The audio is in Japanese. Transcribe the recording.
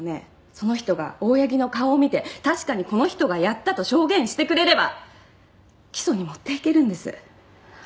その人が大八木の顔を見て「確かにこの人がやった」と証言してくれれば起訴に持っていけるんです。